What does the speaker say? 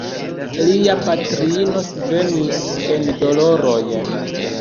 Lia patrino svenis en doloroj.